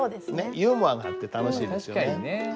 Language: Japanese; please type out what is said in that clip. ユーモアがあって楽しいですよね。